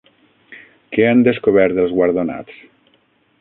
Què han descobert els guardonats?